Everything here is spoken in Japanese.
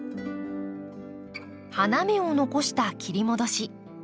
花芽を残した切り戻し。